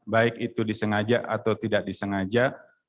baik itu disengaja atau tidak disengaja